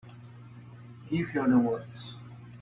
Give her the works.